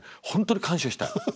本当に感謝したい。